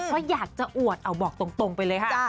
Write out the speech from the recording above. เพราะอยากจะอวดเอาบอกตรงไปเลยค่ะ